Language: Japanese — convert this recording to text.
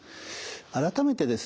改めてですね